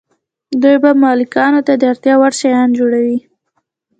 دوی به مالکانو ته د اړتیا وړ شیان جوړول.